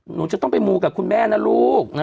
หนูจะต้องไปมูกับคุณแม่นะลูก